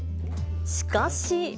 しかし。